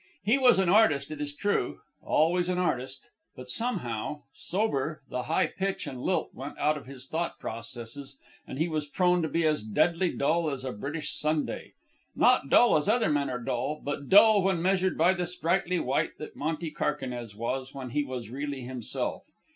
He was an artist, it is true, always an artist; but somehow, sober, the high pitch and lilt went out of his thought processes and he was prone to be as deadly dull as a British Sunday not dull as other men are dull, but dull when measured by the sprightly wight that Monte Carquinez was when he was really himself.